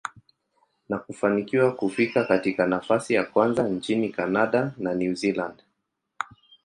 na kufanikiwa kufika katika nafasi ya kwanza nchini Canada na New Zealand.